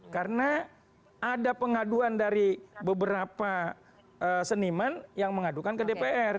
karena ada pengaduan dari beberapa seniman yang mengadukan ke dprd